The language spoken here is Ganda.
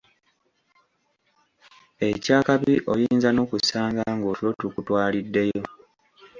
Eky’akabi oyinza n’okusanga ng’otulo tukutwaliddeyo.